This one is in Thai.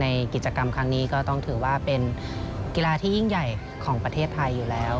กิจกรรมครั้งนี้ก็ต้องถือว่าเป็นกีฬาที่ยิ่งใหญ่ของประเทศไทยอยู่แล้ว